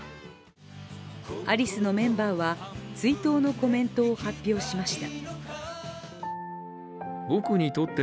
アリスのメンバーは追悼のコメントを発表しました。